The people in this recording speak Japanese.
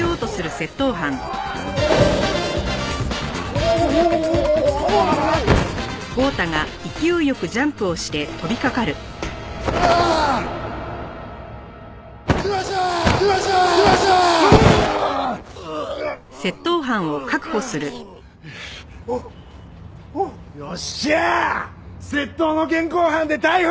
窃盗の現行犯で逮捕や！